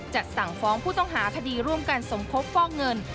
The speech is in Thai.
สั่งฟ้องผู้ต้องหาคดีร่วมกันสมคบฟอกเงิน